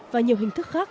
và nhiều hình thức khác